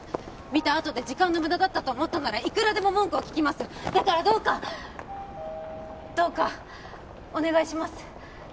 見たあとで時間の無駄だったと思ったならいくらでも文句を聞きますだからどうかどうかお願いします